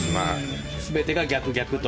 全てが逆、逆と。